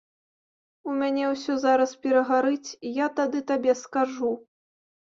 У мяне ўсё зараз перагарыць, і я тады табе скажу.